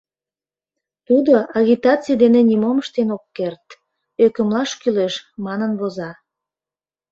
Тудо «агитаций дене нимом ыштен от керт, ӧкымлаш кӱлеш» манын воза.